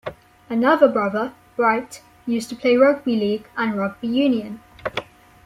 Another brother, Bright, used to play rugby league and rugby union.